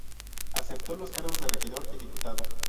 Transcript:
Aceptó los cargos de regidor y diputado.